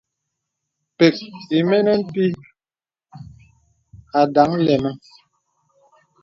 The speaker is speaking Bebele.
Pə̀k ìmə̀ ne pìì àdaŋ nlɛmaŋ.